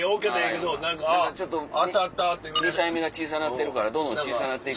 何かちょっと２体目が小さなってるからどんどん小さなっていく。